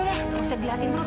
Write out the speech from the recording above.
nggak usah dilihatin terus